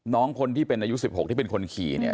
น้องคนที่เป็นอายุ๑๖ที่เป็นคนขี่เนี่ย